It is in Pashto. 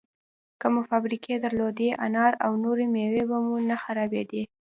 که مو فابریکې درلودی، انار او نورې مېوې به مو نه خرابېدې!